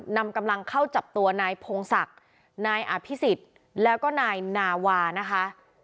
นำกำลังเข้าจับตัวนายพงศักดิ์นายอภิษฎแล้วก็นายนาวานะคะ